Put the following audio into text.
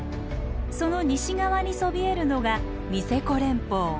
その西側にそびえるのがニセコ連峰。